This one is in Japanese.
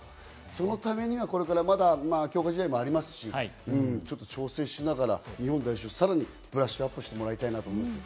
そのためにはこれから強化試合もありますし、調整しながら、さらにブラッシュアップしてもらいたいと思います。